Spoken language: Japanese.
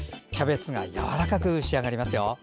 キャベツがやわらかく仕上がりますよ。